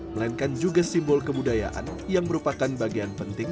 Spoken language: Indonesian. melainkan juga simbol kebudayaan yang merupakan bagian penting